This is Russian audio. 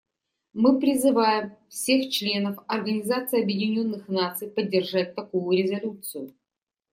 Мы призываем всех членов Организации Объединенных Наций поддержать такую резолюцию.